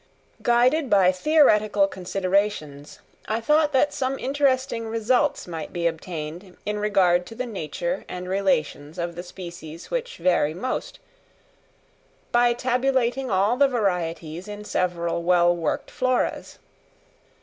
_ Guided by theoretical considerations, I thought that some interesting results might be obtained in regard to the nature and relations of the species which vary most, by tabulating all the varieties in several well worked floras.